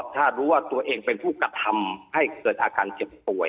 ถ้ารู้ว่าตัวเองเป็นผู้กระทำให้เกิดอาการเจ็บป่วย